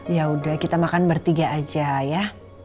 yaudah kita makan bertiga aja ya